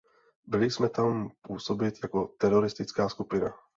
Byli jsme tam působit jako teroristická skupina.